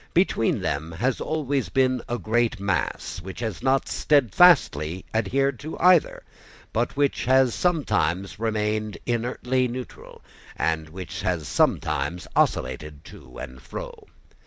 Between them has always been a great mass, which has not steadfastly adhered to either, which has sometimes remained inertly neutral, and which has sometimes oscillated to and fro.